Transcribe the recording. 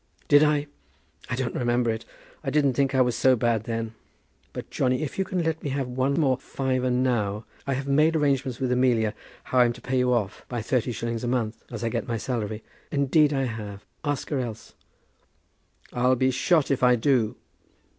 "Did I? I don't remember it. I didn't think I was so bad then. But, Johnny, if you can let me have one more fiver now I have made arrangements with Amelia how I'm to pay you off by thirty shillings a month, as I get my salary. Indeed I have. Ask her else." "I'll be shot if I do."